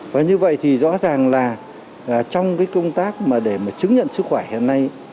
và như vậy thì rõ ràng là trong cái công tác mà để mà chứng nhận sức khỏe hiện nay